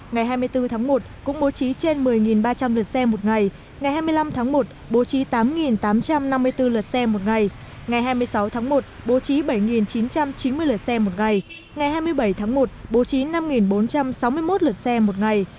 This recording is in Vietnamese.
ngày hai mươi bốn tháng một cũng bố trí trên một mươi ba trăm linh lượt xe một ngày ngày hai mươi năm tháng một bố trí tám tám trăm năm mươi bốn lượt xe một ngày ngày hai mươi sáu tháng một bố trí bảy chín trăm chín mươi lượt xe một ngày ngày hai mươi bảy tháng một bố trí năm bốn trăm sáu mươi một lượt xe một ngày